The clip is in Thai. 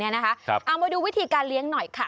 เอามาดูวิธีการเลี้ยงหน่อยค่ะ